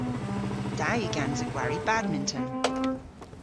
Da yw gansa gwari badminton.